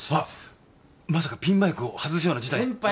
まさかピンマイクを外すような事態に。